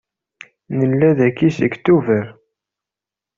Nella dagi seg Tubeṛ.